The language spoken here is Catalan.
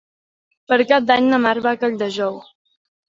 Per Cap d'Any na Mar va a Colldejou.